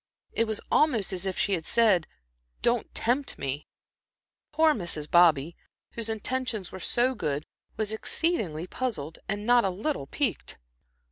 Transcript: It was almost as if she had said, "Don't tempt me." Poor Mrs. Bobby, whose intentions were so good, was exceedingly puzzled and not a little piqued.